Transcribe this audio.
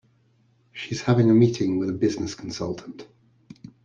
She is having a meeting with a business consultant.